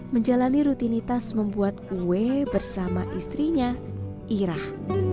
menjalani rutinitas membuat kue bersama istrinya irah